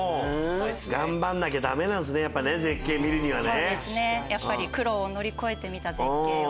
頑張んなきゃダメなんすねやっぱ絶景見るにはね。